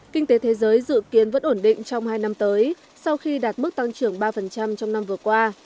kinh tế thế giới dự kiến vẫn ổn định trong hai năm tới sau khi đạt mức tăng trưởng ba trong năm vừa qua